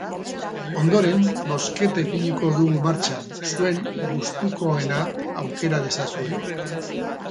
Ondoren, bozketa ipiniko dugu martxan, zuen gustukoena aukera dezazuen.